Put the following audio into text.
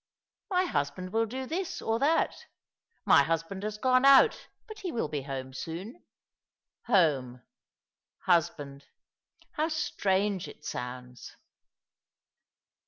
* My husband will do this or that.' ' My husband has gone out, but he will be home soon.' Home. Husband. How strange it sounds